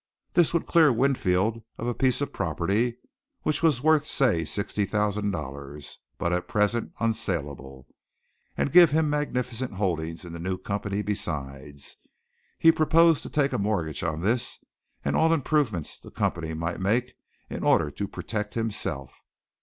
This would clear Winfield of a piece of property which was worth, say $60,000, but at present unsaleable, and give him magnificent holdings in the new company besides. He proposed to take a mortgage on this and all improvements the company might make in order to protect himself.